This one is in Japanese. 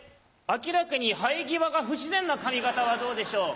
明らかに生え際が不自然な髪形はどうでしょう？